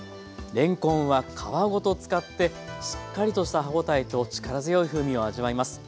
れんこんは皮ごと使ってしっかりとした歯応えと力強い風味を味わいます。